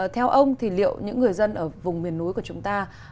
theo ông thì liệu những người dân ở vùng miền núi của chúng ta